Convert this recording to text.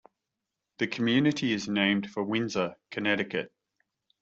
The community is named for Windsor, Connecticut.